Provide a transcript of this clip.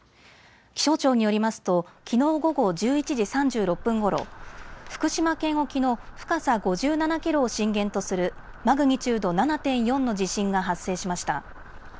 気象庁によりますときのう午後１１時３６分ごろ、福島県沖の深さ５７キロを震源とするマグニチュード７．４の地震が発生しました。